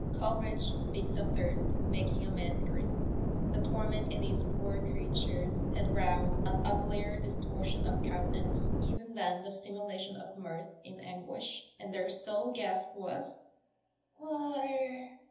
Coleridge speaks of thirst making a man grin. The torment in these poor creatures had wrought an uglier distortion of countenance even than the simulation of mirth in anguish, and their sole gasp was, " Water